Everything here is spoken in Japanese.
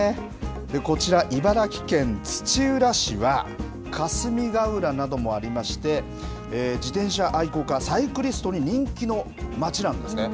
こちら、茨城県土浦市は、霞ヶ浦などもありまして、自転車愛好家、サイクリストに人気の街なんですね。